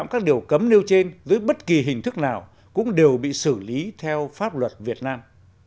các điều cấm nêu trên dưới bất kỳ hình thức nào cũng đều bị xử lý theo pháp luật việt nam